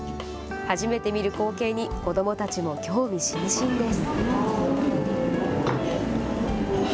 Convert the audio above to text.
初めて見る光景に子どもたちも興味津々です。